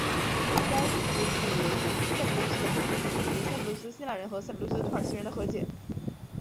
该组织致力于塞浦路斯的统一以及塞浦路斯希腊人和塞浦路斯土耳其人的和解。